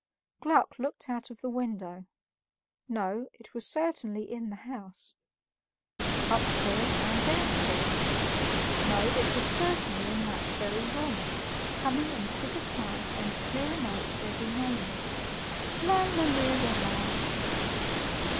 Gluck looked out of the window; no, it was certainly in the house. Upstairs and downstairs; no, it was certainly in that very room, coming in quicker time and clearer notes every moment: "Lala lira la."